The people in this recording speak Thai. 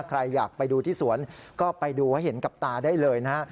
ใครอยากไปดูที่สวนก็ไปดูให้เห็นกับตาได้เลยนะฮะ